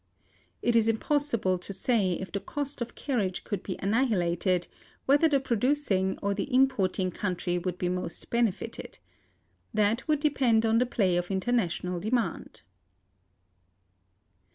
It is impossible to say, if the cost of carriage could be annihilated, whether the producing or the importing country would be most benefited. This would depend on the play of international demand.